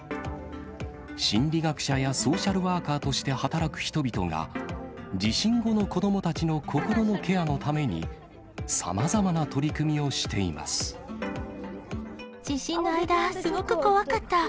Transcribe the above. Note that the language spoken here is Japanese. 心理学者やソーシャルワーカーとして働く人々が、地震後の子どもたちの心のケアのために、さまざまな取り組みをし地震の間、すごく怖かった。